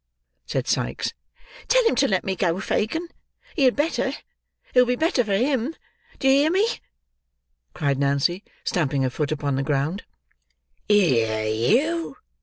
said Sikes. "Tell him to let me go, Fagin. He had better. It'll be better for him. Do you hear me?" cried Nancy stamping her foot upon the ground. "Hear you!"